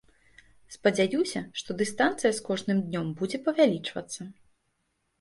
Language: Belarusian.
Спадзяюся, што дыстанцыя з кожным днём будзе павялічвацца.